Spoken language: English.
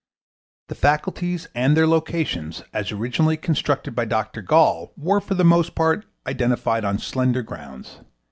The faculties and their localities, as originally constructed by Dr. Gall, were for the most part identified on slender grounds.